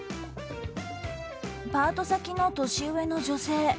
パート先の年上の女性。